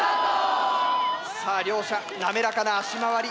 さあ両者滑らかな足回り。